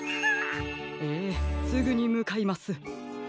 ええすぐにむかいます。